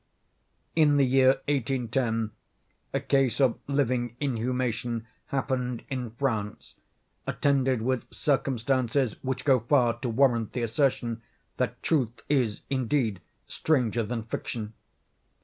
In the year 1810, a case of living inhumation happened in France, attended with circumstances which go far to warrant the assertion that truth is, indeed, stranger than fiction.